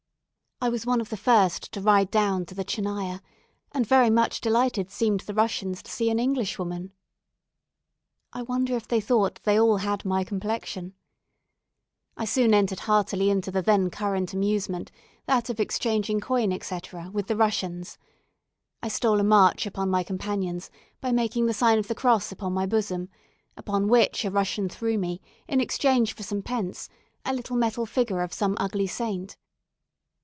I was one of the first to ride down to the Tchernaya, and very much delighted seemed the Russians to see an English woman. I wonder if they thought they all had my complexion. I soon entered heartily into the then current amusement that of exchanging coin, etc., with the Russians. I stole a march upon my companions by making the sign of the cross upon my bosom, upon which a Russian threw me, in exchange for some pence, a little metal figure of some ugly saint.